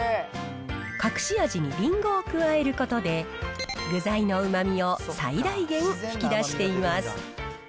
隠し味にりんごを加えることで、具材のうまみを最大限引き出しています。